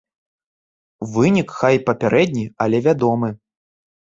Вынік, хай і папярэдні, але вядомы.